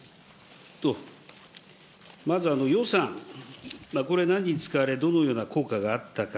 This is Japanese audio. まず予算、これ何に使われ、どのような効果があったか。